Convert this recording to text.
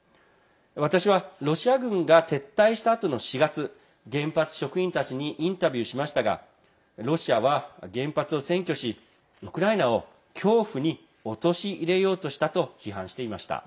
私は、ロシア軍が撤退したあとの４月原発職員たちにインタビューしましたがロシアは原発を占拠しウクライナを恐怖に陥れようとしたと批判していました。